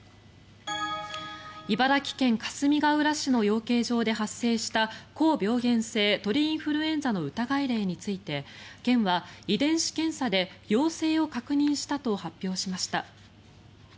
茨城県かすみがうら市の養鶏場で発生した高病原性鳥インフルエンザの疑い例について県は遺伝子検査で陽性を確認したと発表しました。